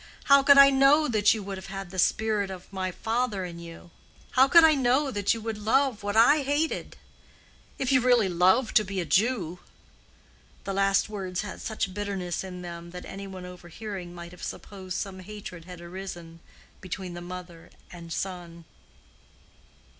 How could I know that you would have the spirit of my father in you? How could I know that you would love what I hated?—if you really love to be a Jew." The last words had such bitterness in them that any one overhearing might have supposed some hatred had arisen between the mother and son.